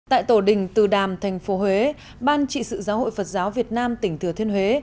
tại tổ đình từ đàm thành phố huế ban trị sự giáo hội phật giáo việt nam tỉnh thừa thiên huế